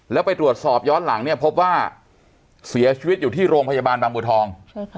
แล้วไปตรวจสอบย้อนหลังเนี่ยพบว่าเสียชีวิตอยู่ที่โรงพยาบาลบางบัวทอง